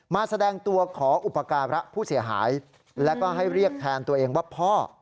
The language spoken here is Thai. แสดงตัวขออุปการะผู้เสียหายแล้วก็ให้เรียกแทนตัวเองว่าพ่อ